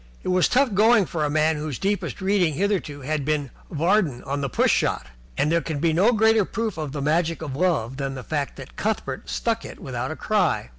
It was tough going for a man whose deepest reading hitherto had been Vardon on the Push Shot, and there can be no greater proof of the magic of love than the fact that Cuthbert stuck it without a cry.